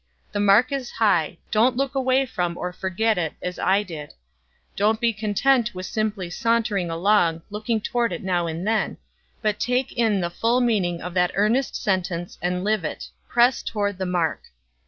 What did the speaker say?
The mark is high; don't look away from or forget it, as I did; don't be content with simply sauntering along, looking toward it now and then, but take in the full meaning of that earnest sentence, and live it 'Press toward the mark!'